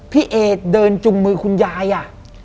พี่เอเดินจุงมือคุณยายอ่ะ